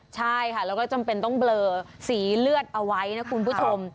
ใช่ค่ะแล้วก็จำเป็นต้องเบลอสีเลือดเอาไว้นะคุณผู้ชม